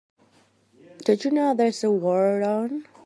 Don't you know there's a war on?